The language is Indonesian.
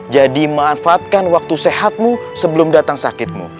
jadi manfaatkan waktu sehatmu sebelum datang sakitmu